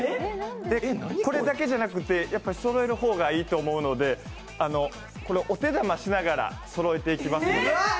これだけじゃなくてそろえるほうがいいと思うのでお手玉しながら、そろえていきます